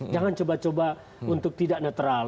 jangan coba coba untuk tidak netral